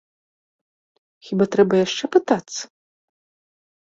Хіба трэба яшчэ пытацца?